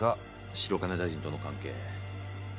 白金大臣との関係